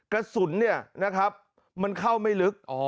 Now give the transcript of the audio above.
กระสุนเนี่ยนะครับมันเข้าไม่ลึก